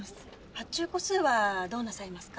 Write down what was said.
発注個数はどうなさいますか？